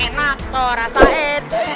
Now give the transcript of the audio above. enak torah said